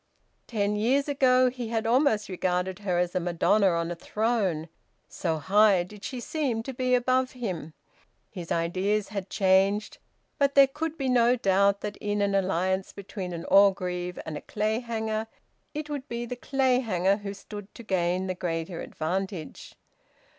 Ten years ago he had almost regarded her as a madonna on a throne, so high did she seem to be above him. His ideas had changed, but there could be no doubt that in an alliance between an Orgreave and a Clayhanger, it would be the Clayhanger who stood to gain the greater advantage.